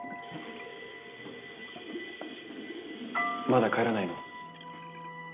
まだ帰らないの？